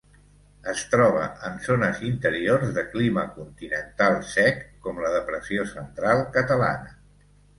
Es troba en zones interiors de clima continental sec com la Depressió Central catalana.